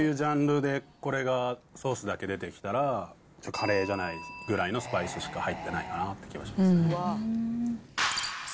カレーというジャンルでこれがソースだけ出てきたら、カレーじゃないぐらいのスパイスしか入ってないかなって気はしますね。